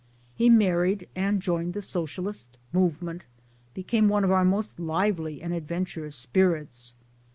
He married, and joining the Socialist movement became one of our most lively and adven turous spirits.